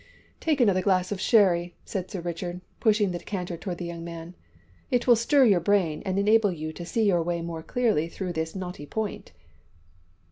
"Take another glass of sherry," said Sir Richard, pushing the decanter towards the young man; "it will stir your brain and enable you to see your way more clearly through this knotty point."